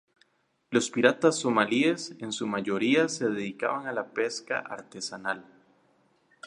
Los piratas somalíes, en su mayoría se dedicaban a la pesca artesanal.